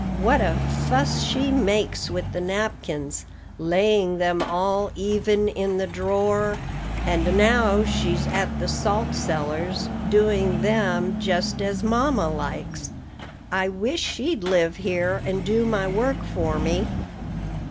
What a fuss she makes with the napkins, laying them all even in the drawer. And now she's at the salt cellars, doing them just as mamma likes. I wish she'd live here, and do my work for me.